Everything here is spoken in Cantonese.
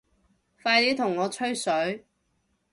快啲同我吹水